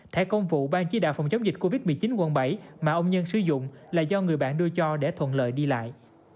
thẻ công vụ ban chỉ đạo phòng chống dịch covid một mươi chín quận bảy mà ông nhân sử dụng là do người bạn đưa cho để thuận lợi đi lại